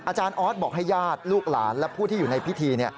อาจารย์ออสบอกให้ญาติลูกหลานและผู้ที่อยู่ในพิธี